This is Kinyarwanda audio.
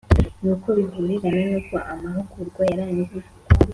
nuko bihurirana nuko amahugurwa yaragiye